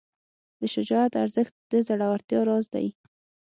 د شجاعت ارزښت د زړورتیا راز دی.